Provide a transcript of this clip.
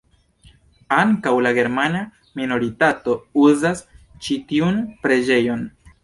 Ankaŭ la germana minoritato uzas ĉi tiun preĝejon.